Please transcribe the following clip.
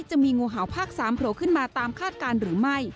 จะมีงูเห่าภาค๓โผล่ขึ้นมาตามคาดการณ์หรือไม่